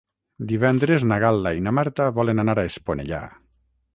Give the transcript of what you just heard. Divendres na Gal·la i na Marta volen anar a Esponellà.